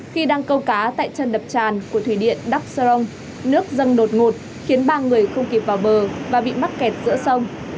khi đang câu cá tại chân đập tràn của thủy điện đắc sông nước dâng đột ngột khiến ba người không kịp vào bờ và bị mắc kẹt giữa sông